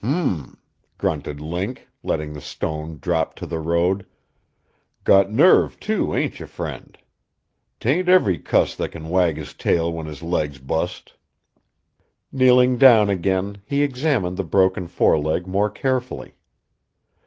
"H'm!" grunted Link, letting the stone drop to the road, "got nerve, too, ain't you, friend? 'Tain't every cuss that can wag his tail when his leg's bust." Kneeling down again he examined the broken foreleg more carefully.